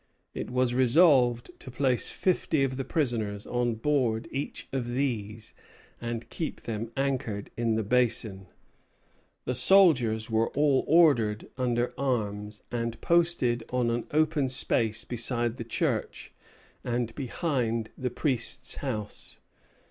It was resolved to place fifty of the prisoners on board each of these, and keep them anchored in the Basin. The soldiers were all ordered under arms, and posted on an open space beside the church and behind the priest's house.